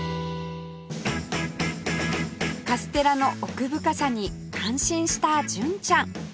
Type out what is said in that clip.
カステラの奥深さに感心した純ちゃん